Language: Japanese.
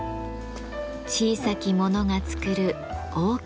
小さき者が作る大きな山。